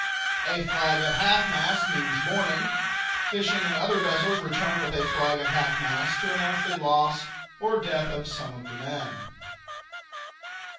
A flag at half mast means mourning. Fishing and other vessels return with a flag at half mast to announce the loss or death of some of the men.